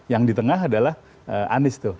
yang di tengah adalah anies tuh